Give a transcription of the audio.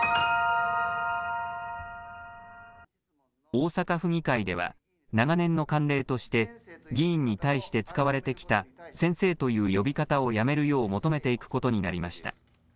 大阪府議会では、長年の慣例として、議員に対して使われてきた先生という呼び方をやめるよう求めていくことになりました。